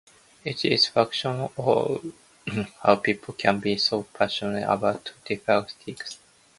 It is fascinating how people can be so passionate about different things.